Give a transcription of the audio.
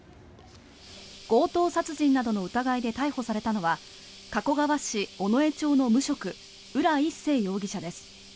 強盗殺人などの疑いで逮捕されたのは加古川市尾上町の無職浦一生容疑者です。